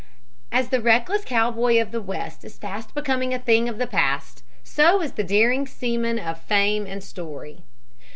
As the reckless cowboy of the West is fast becoming a thing of the past, so is the daring seaman of fame and story.